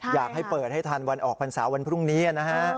อยากให้เปิดให้ทันวันออกพรรษาวันพรุ่งนี้นะฮะ